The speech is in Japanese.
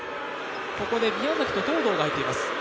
ここで宮崎と東藤が入っています。